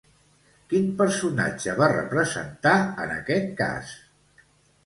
Quin personatge va representar en aquest cas?